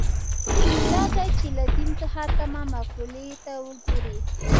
دا ځای چې له دین څخه تمه مقولې ته وګوري.